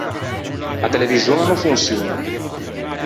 A televixon a no fonçioña.